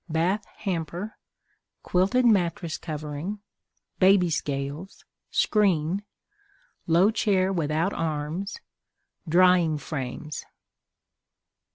Bath Hamper. Quilted Mattress Covering. Baby Scales. Screen. Low Chair without Arms. Drying Frames.